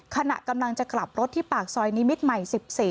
ขณะกำลังจะกลับรถที่ปากซอยนิมิตรใหม่๑๔